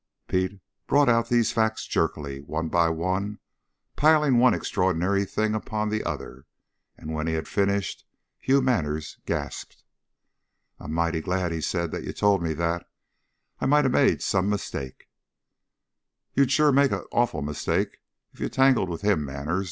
Pete brought out these facts jerkily, one by one, piling one extraordinary thing upon the other; and when he had finished, Hugh Manners gasped. "I'm mighty glad," he said, "that you told me that, I I might of made some mistake." "You'd sure've made an awful mistake if you tangle with him, Manners.